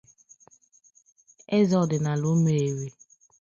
eze ọdịnala Umueri